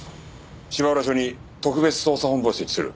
芝浦署に特別捜査本部を設置する。